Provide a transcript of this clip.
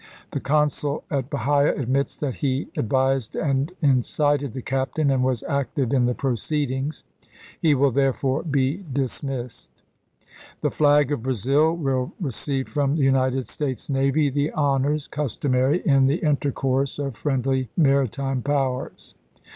The consul at Bahia admits that he ad vised and incited the captain, and was active in the proceedings ; he will therefore be dismissed. BaSada The flag of Brazil will receive from the United Dec7 26. 134 ABRAHAM LINCOLN chap. vi. States navy the honors customary in the inter 1864. course of friendly maritime powers."